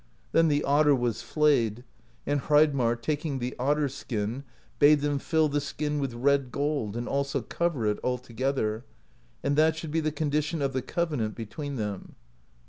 Then the otter was flayed, and Hreidmarr, taking the otter skin, bade them fill the skin with red gold and also cover it altogether; and that should be the condition of the covenant between them.